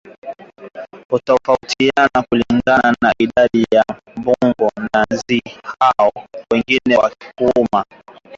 hutofautiana kulingana na idadi ya mbung'o na nzi hao wengine wa kuuma